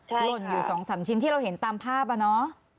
หล่นอยู่๒๓ชิ้นที่เราเห็นตามภาพอะเนาะ